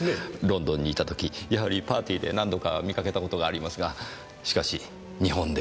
ロンドンにいた時やはりパーティーで何度か見かけた事がありますがしかし日本で見るのは珍しい。